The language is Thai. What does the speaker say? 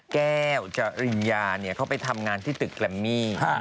แก้วจริญญาเขาไปทำงานที่ตึกแกรมมี่